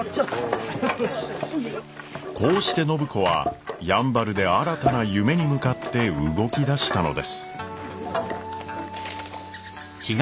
こうして暢子はやんばるで新たな夢に向かって動きだしたのです。